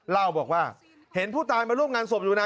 เล่าบอกว่าเห็นผู้ตายมาร่วมงานศพอยู่นะ